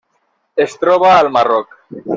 Es troba al Marroc.